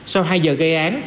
sau hai giờ gây án